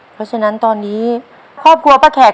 เพราะฉะนั้นตอนนี้ครอบครัวป้าแขก